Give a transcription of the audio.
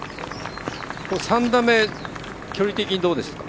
３打目距離的にどうですか。